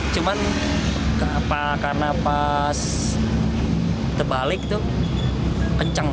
cuma karena pas terbalik itu kenceng